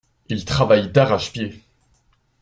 Il travaille d’arrache-pied.